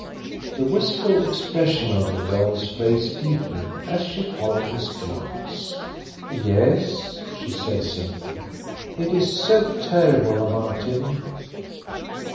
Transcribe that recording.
The wistful expression of the girl's face deepened as she followed his glance. "Yes," she said simply. "It is so terrible about him."